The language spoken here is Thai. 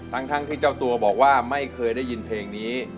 ทั้งที่เจ้าตัวบอกว่าไม่เคยได้ยินเพลงนี้